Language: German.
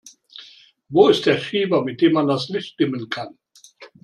Wo ist der Schieber, mit dem man das Licht dimmen kann?